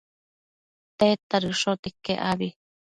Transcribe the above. tedta dëshote iquec abi?